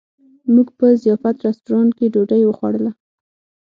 موږ په ضیافت رسټورانټ کې ډوډۍ وخوړله.